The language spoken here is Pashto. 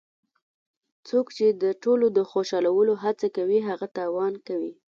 څوک چې د ټولو د خوشحالولو هڅه کوي هغه تاوان کوي.